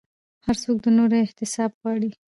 هر څوک د نورو احتساب غواړي